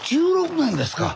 １６年ですか。